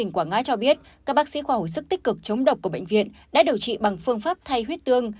các bác sĩ khoa hữu sức tích cực chống độc của bệnh viện đã điều trị bằng phương pháp thay huyết tương